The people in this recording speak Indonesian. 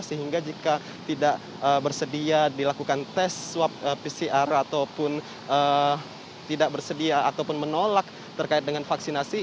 sehingga jika tidak bersedia dilakukan tes swab pcr ataupun tidak bersedia ataupun menolak terkait dengan vaksinasi